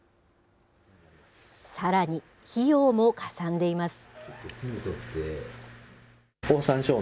さらに、費用もかさんでいます。